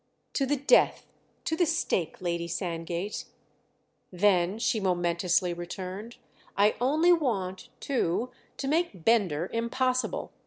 "To the death, to the stake, Lady Sandgate!" "Then," she momentously returned, "I only want, too, to make Bender impossible.